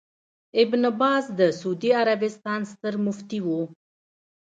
ابن باز د سعودي عربستان ستر مفتي وو